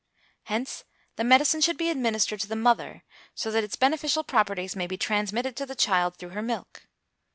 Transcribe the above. Hence the medicine should be administered to the mother, so that its beneficial properties may be transmitted to the child through her milk.